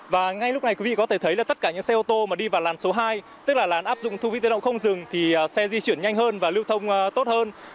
và ngay lúc này quý vị có thể thấy là tất cả những xe ô tô mà đi vào làn số hai tức là làn áp dụng thu vi tự động không dừng thì xe di chuyển nhanh hơn và lưu thông tốt hơn